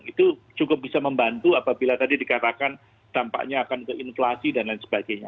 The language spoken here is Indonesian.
itu cukup bisa membantu apabila tadi dikatakan tampaknya akan keinflasi dan lain sebagainya